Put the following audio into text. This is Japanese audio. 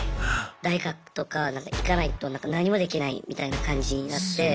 大学とか行かないと何もできないみたいな感じになって。